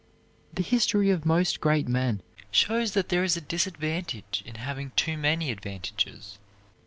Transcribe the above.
The history of most great men shows that there is a disadvantage in having too many advantages.